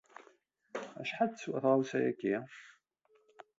Acḥal ay awent-d-yenker uselkim-a?